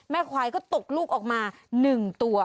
ควายก็ตกลูกออกมา๑ตัว